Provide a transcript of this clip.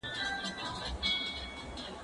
زه به موسيقي اورېدلې وي